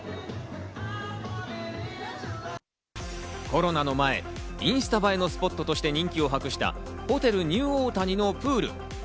コロナの前、インスタ映えのスポットとして人気を博したホテルニューオータニのプール。